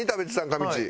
かみちぃ。